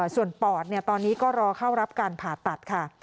ส่วนปอดตอนนี้ก็รอเข้ารับการผ่าตัดค่ะ